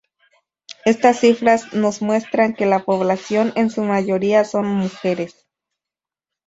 Estas cifras nos muestran, que la población en su mayoría son mujeres.